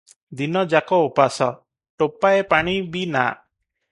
ଦିନ ଯାକ ଓପାସ – ଟୋପାଏ ପାଣି ବି ନା ।